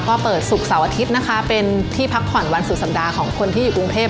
ก็เปิดศุกร์เสาร์อาทิตย์นะคะเป็นที่พักผ่อนวันสุดสัปดาห์ของคนที่อยู่กรุงเทพ